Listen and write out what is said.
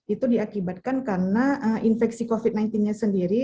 itu diakibatkan karena infeksi covid sembilan belas nya sendiri